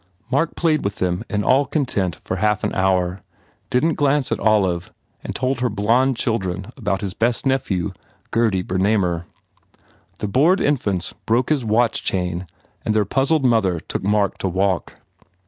Mark played with them in all content for half an hour, didn t glance at Olive, and told her blond children about his best nephew, Gurdy Bernamer. The bored infants broke his watch chain and their puzzled mother took Mark to walk.